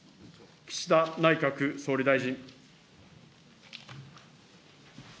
岸田内閣総理大臣。